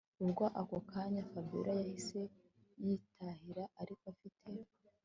Ubwo ako kanya Fabiora yahise yitahira ariko afite